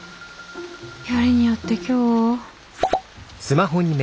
よりによって今日？